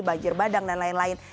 banjir bandang dan lain lain